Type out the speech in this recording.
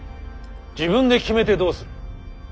自分で決めてどうする。